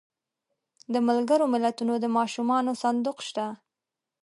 د ملګرو ملتونو د ماشومانو صندوق شته.